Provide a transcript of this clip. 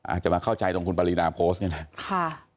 อาจจะมาเข้าใจตรงคุณปรินาโพสต์นี่แหละ